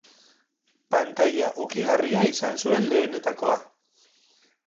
Pantaila ukigarria izan zuen lehenetakoa.